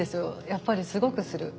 やっぱりすごくする。